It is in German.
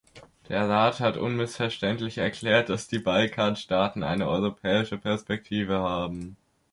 Der Rat hat unmissverständlich erklärt, dass die Balkanstaaten eine europäische Perspektive haben.